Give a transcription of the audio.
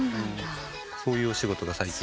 そういうお仕事が最近。